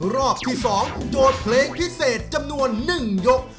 รอบที่๒โจทย์เพลงพิเศษจำนวน๑ยก